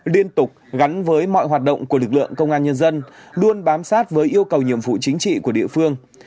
liên tục gắn với mọi hoạt động của lực lượng công an nhân dân luôn bám sát với yêu cầu nhiệm vụ chính trị của địa phương